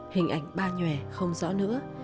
hình ảnh ba nhòe không rõ nữa